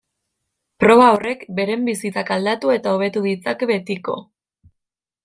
Proba horrek beren bizitzak aldatu eta hobetu ditzake betiko.